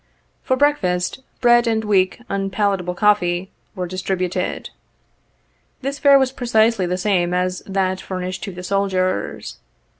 For breakfast, bread, and weak, unpalatable coffee, were distributed. This fare was precisely the same as that furnished to the soldiers.